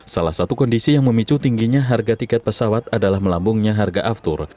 salah satu kondisi yang memicu tingginya harga tiket pesawat adalah melambungnya harga aftur